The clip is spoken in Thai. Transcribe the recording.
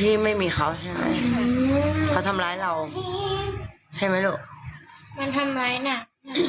ที่ไม่มีเขาใช่ไหมเขาทำร้ายเราใช่ไหมลูกมันทำร้ายหนัก